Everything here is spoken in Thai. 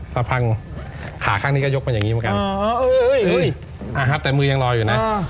สะพังขาข้างนี้ก็ยกเป็นอย่างนี้เหมือนกันแต่มือยังรออยู่นะ